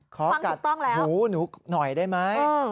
กัดหูหนูหน่อยได้ไหม